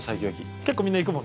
結構みんないくもんね。